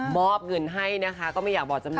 มอบเงินให้นะคะก็ไม่อยากบอกจำเลย